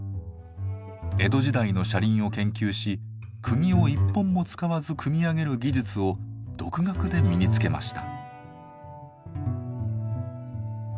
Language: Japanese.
江戸時代の車輪を研究し釘を１本も使わず組み上げる技術を独学で身につけました。